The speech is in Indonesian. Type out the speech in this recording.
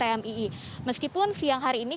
yang memilih untuk menghabiskan libur